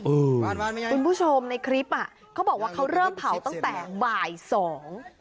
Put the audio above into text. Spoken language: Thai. คุณผู้ชมในคลิปอ่ะเขาบอกว่าเขาเริ่มเผาตั้งแต่บ่ายสอง